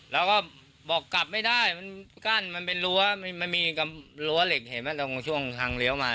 แล้วก็บอกกลับไม่ได้มันกั้นมันเป็นรั้วมันมีรั้วเหล็กเห็นไหมตรงช่วงทางเลี้ยวมา